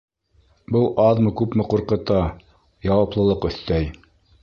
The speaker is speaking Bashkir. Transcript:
Был аҙмы-күпме ҡурҡыта, яуаплылыҡ өҫтәй.